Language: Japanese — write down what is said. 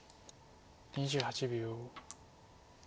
２８秒。